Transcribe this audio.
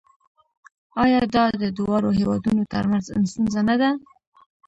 آیا دا د دواړو هیوادونو ترمنځ ستونزه نه ده؟